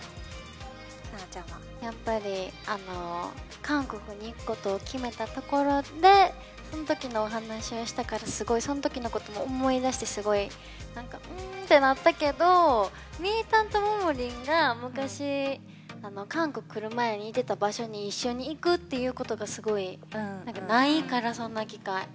やっぱり韓国に行ことを決めたところでそのときのお話をしたからすごい、そんときのことを思い出してうーんってなったけどみーたんとももりんが昔、韓国、来る前にいった場所に一緒に行くってことがすごいないから、そんな機会。